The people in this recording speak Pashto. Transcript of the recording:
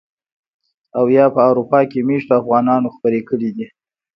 او يا په اروپا کې مېشتو افغانانو خپرې کړي دي.